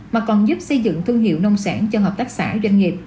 mà còn giúp xây dựng thương hiệu nông sản cho hợp tác xã doanh nghiệp